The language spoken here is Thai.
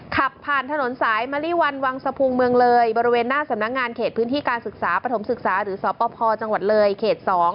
ขับผ่านถนนสายมะลิวันวังสะพุงเมืองเลยบริเวณหน้าสำนักงานเขตพื้นที่การศึกษาปฐมศึกษาหรือสปพจังหวัดเลยเขต๒